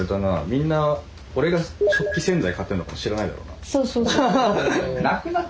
みんな俺が食器洗剤買ってるのって知らないだろうな。